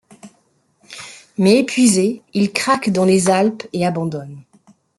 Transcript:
Mais épuisé, il craque dans les Alpes et abandonne.